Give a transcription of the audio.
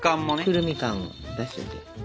くるみ感を出しといて。